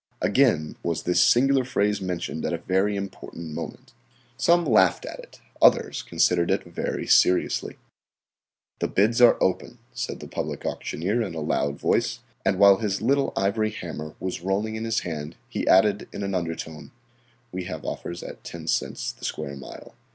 Again was this singular phrase mentioned at a very important moment. Some laughed at it, others considered it very seriously. "The bids are open," said the public auctioneer in a loud voice, and while his little ivory hammer was rolling in his hand he added in an undertone: "We have offers at 10 cents the square mile.